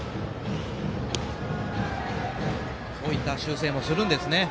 そういった修正もするんですね。